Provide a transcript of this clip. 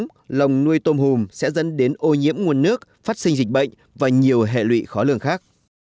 nếu lồng nuôi tôm hùm sẽ dẫn đến ô nhiễm nguồn nước phát sinh dịch bệnh và nhiều hệ lụy khó lường khác